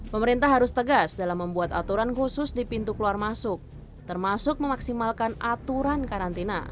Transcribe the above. pemerintah harus tegas dalam membuat aturan khusus di pintu keluar masuk termasuk memaksimalkan aturan karantina